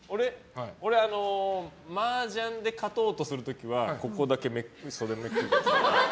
俺はマージャンで勝とうとする時は袖だけめくります。